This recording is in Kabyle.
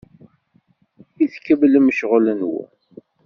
I tkemmlem ccɣel-nwen?